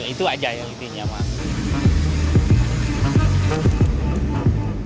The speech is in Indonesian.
itu aja yang intinya mas